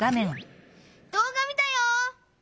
どう画見たよ！